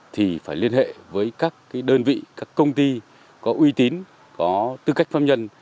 thì phải liên hệ với các đơn vị các công ty có uy tín có tư cách pháp nhân